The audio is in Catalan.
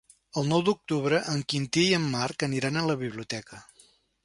El nou d'octubre en Quintí i en Marc aniran a la biblioteca.